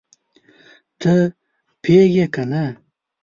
ته پوهېږې که نه؟